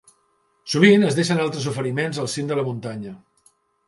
Sovint es deixen altres oferiments al cim de la muntanya.